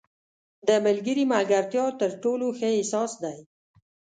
• د ملګري ملګرتیا تر ټولو ښه احساس دی.